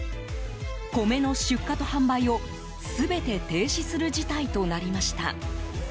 米の出荷と販売を全て停止する事態となりました。